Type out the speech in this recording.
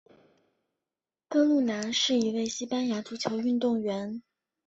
哥路拿是一位西班牙足球运动员。